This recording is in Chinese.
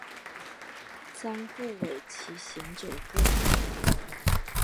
将不讳其嫌者乎？